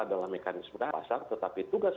adalah mekanisme dasar tetapi tugas